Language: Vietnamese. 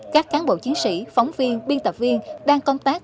các cán bộ chiến sĩ phóng viên biên tập viên đang công tác